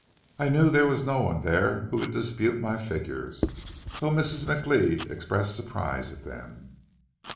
I knew there was no one there who could dispute my figures, though Mrs. McLeod expressed surprise at them.